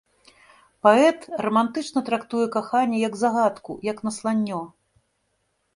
Паэт рамантычна трактуе каханне як загадку, як насланнё.